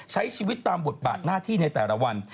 ใช้ชีวิตตามบทบาทหน้าที่ในแต่ละวัน